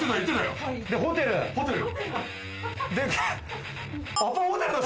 で、ホテル。